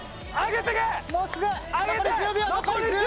残り１０！